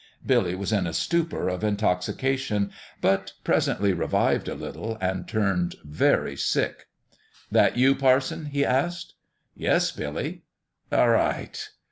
Billy was in a stupor of intoxication, but presently revived a little, and turned very sick. " That you, parson?" he asked. "Yes, Billy." "A' right."